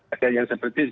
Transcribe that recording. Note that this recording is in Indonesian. ada yang seperti itu